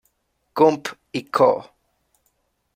Gump y Co.